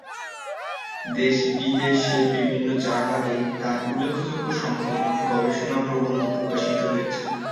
দেশ-বিদেশের বিভিন্ন জার্নালে তার উল্লেখযোগ্য সংখ্যক গবেষণা প্রবন্ধ প্রকাশিত হয়েছে।